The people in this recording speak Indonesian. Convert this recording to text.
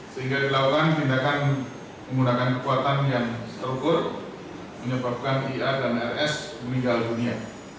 sehingga dilakukan tindakan menggunakan kekuatan yang struktur menyebabkan ia dan rs meninggal dunia